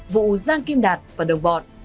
vụ giang kim đạt và đồng bọn